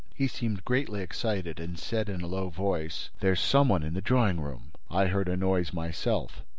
He seemed greatly excited and said, in a low voice: 'There's some one in the drawing room.' I heard a noise myself.